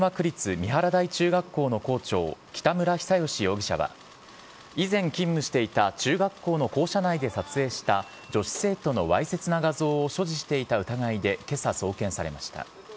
三原台中学校の校長、北村比左嘉容疑者は、以前勤務していた中学校の校舎内で撮影した女子生徒のわいせつな画像を所持していた疑いでけさ送検されました。